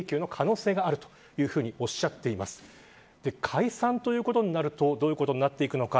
解散ということになるとどういうことになっていくのか。